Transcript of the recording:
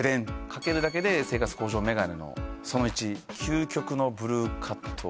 かけるだけで生活向上メガネのその１究極のブルーカット！